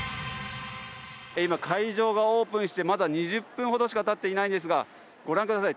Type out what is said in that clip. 今、会場がオープンしてまだ２０分ほどしかたっていないんですがご覧ください。